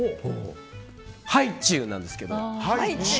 ハイチュウなんですけど。